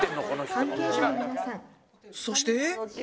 そして